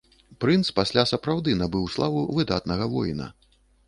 Прынц пасля сапраўды набыў славу выдатнага воіна.